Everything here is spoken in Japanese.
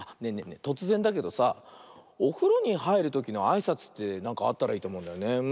えとつぜんだけどさおふろにはいるときのあいさつってなんかあったらいいとおもうんだよね。